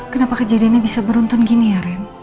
kenapa kejadiannya bisa beruntun gini ya ren